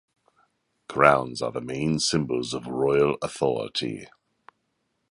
Crowns are the main symbols of royal authority.